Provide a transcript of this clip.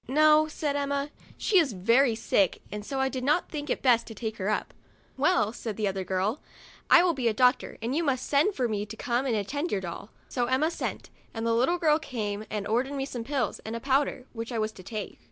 " No," said Emma, " she is very sick, and so I did not think it best to take her up." "Well," said the other little girl, " I will be a doctor, and you must send for me to come and attend your doll." So COUNTRY DOLL. 17 Emma sent, and the little girl came and ordered me some pills and a powder, which I was to take.